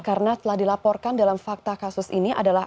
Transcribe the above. karena telah dilaporkan dalam fakta kasus ini adalah